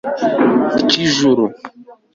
ry'ijuru